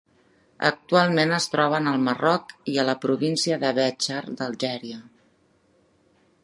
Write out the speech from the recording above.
Actualment es troben al Marroc i a la província de Béchar d’Algèria.